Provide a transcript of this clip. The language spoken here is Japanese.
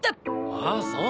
ああそう。